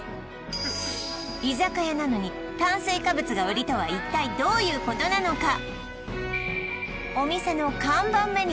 居酒屋なのに炭水化物が売りとは一体どういうことなのか？